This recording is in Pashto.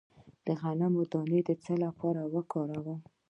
د غنم دانه د څه لپاره وکاروم؟